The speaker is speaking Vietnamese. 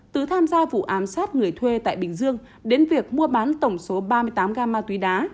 từ tham gia vụ ám sát người thuê tại bình dương đến việc mua bán tổng số ba mươi tám gam ma túy đá